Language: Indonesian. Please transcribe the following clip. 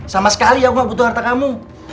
sama sekali aku gak butuh harta kamu